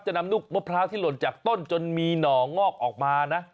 นำลูกมะพร้าวที่หล่นจากต้นจนมีหน่องอกออกมานะ